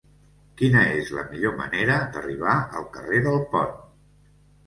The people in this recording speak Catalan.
Quina és la millor manera d'arribar al carrer del Pont?